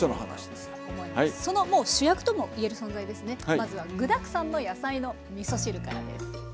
まずは具だくさんの野菜のみそ汁からです。